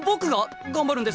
頑張るんですか！？